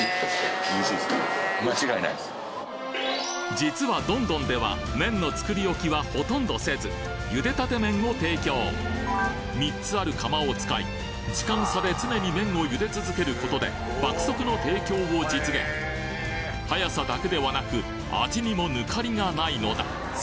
実はどんどんでは麺の作り置きはほとんどせず３つある釜を使い時間差で常に麺を茹で続けることで爆速の提供を実現速さだけではなく味にも抜かりがないのだ